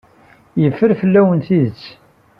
Yeffer fell-awen tidet.